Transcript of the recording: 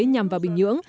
nhằm vào bình nhưỡng